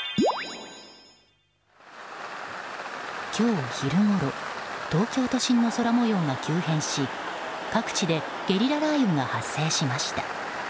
今日、昼ごろ東京都心の空模様が急変し各地でゲリラ雷雨が発生しました。